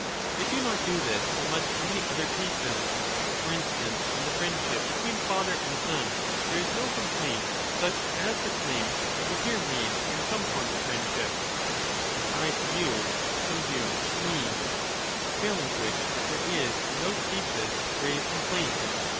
They do not do this so much in the other cases ; for instance, in the friendship between father and son there is no complaint such as the claim that we hear made in some forms of friendship, ' As I to you, so you to me,' failing which there is in those cases grave complaint.